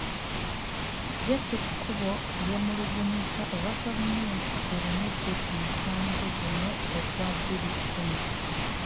Ye Ssekikubo yeemulugunyizza lwaki gavumenti eremedde ku musango guno ogwa bbiri kkumi.